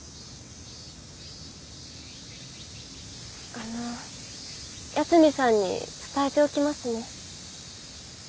あの八海さんに伝えておきますね。